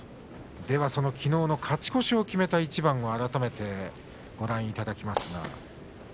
きのうの勝ち越しを決めた一番をご覧いただきます。